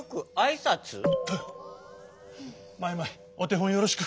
マイマイおてほんよろしく。